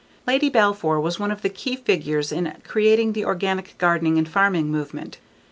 Lady Balfour was one of the key figures in creating the organic gardening and farming movement.